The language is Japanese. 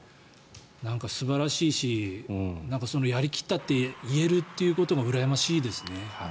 なんか素晴らしいしやり切ったって言えることがうらやましいですね。